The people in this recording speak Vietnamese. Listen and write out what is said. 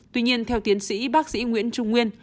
tuy nhiên theo tiến sĩ bác sĩ nguyễn trung nguyên